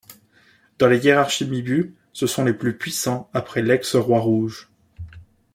Dans la hiérarchie Mibu, ce sont les plus puissants après l'Ex-Roi Rouge.